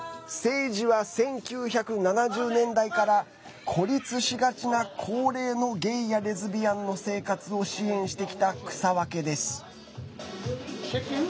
ＳＡＧＥは１９７０年代から孤立しがちな高齢のゲイやレズビアンの生活を支援してきた草分けです。